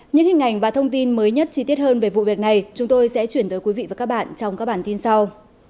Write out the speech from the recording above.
những hình ảnh và thông tin mới nhất chi tiết hơn về vụ việc này chúng tôi sẽ chuyển tới quý vị và các bạn trong các bản tin sau